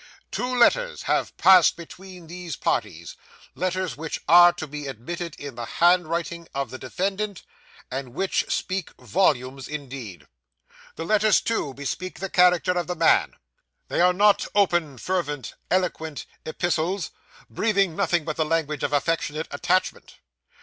Two letters have passed between these parties, letters which are admitted to be in the handwriting of the defendant, and which speak volumes, indeed. The letters, too, bespeak the character of the man. They are not open, fervent, eloquent epistles, breathing nothing but the language of affectionate attachment.